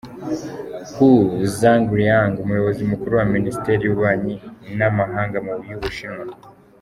Hu ZhangLiang, umuyobozi mukuru muri minisiteri y’ububanyinamahanga y’ubushinwa.